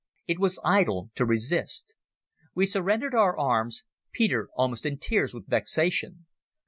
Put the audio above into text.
It was idle to resist. We surrendered our arms, Peter almost in tears with vexation.